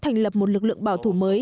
thành lập một lực lượng bảo thủ mới